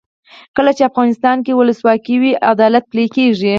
کله چې افغانستان کې ولسواکي وي عدالت پلی کیږي.